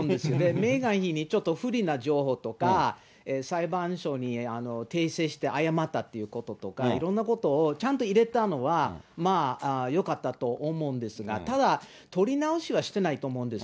メーガン妃にちょっと不利な情報とか、裁判所に訂正して謝ったっていうこととか、いろんなことを、ちゃんと入れたのは、まあ、よかったと思うんですが、ただ、撮り直しはしてないと思うんです。